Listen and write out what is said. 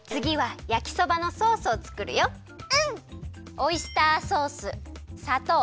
オイスターソースさとう